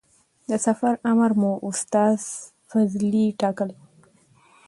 د سفر امر مو استاد فضلي ټاکلی و.